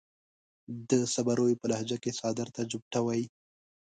د صبريو پۀ لهجه کې څادر ته جوبټه وايي.